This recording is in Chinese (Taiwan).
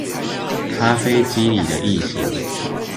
咖啡機裡的異型